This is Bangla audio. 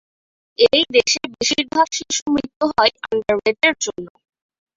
এই দেশে বেশির ভাগ শিশুমৃত্যু হয় আন্ডারওয়েটের জন্য।